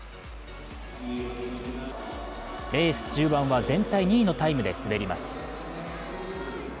レース中盤は全体２位のタイムで滑ります。